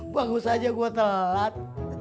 bagus aja gua telat